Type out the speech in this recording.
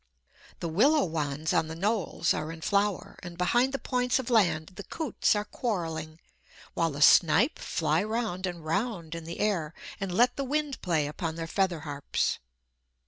The willow wands on the knolls are in flower, and behind the points of land the coots are quarrelling, while the snipe fly round and round in the air, and let the wind play upon their feather harps.